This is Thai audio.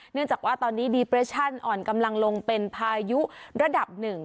เนื่องจากว่าตอนนี้ดีเปรชั่นอ่อนกำลังลงเป็นพายุระดับหนึ่ง